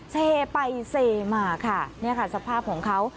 เซไปเซมาค่ะนี่ค่ะสภาพของเขา